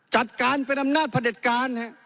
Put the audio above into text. จัดการเป็นอำนาจผลิตการ